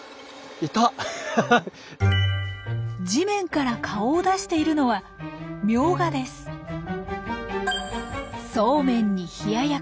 地面から顔を出しているのはそうめんに冷奴。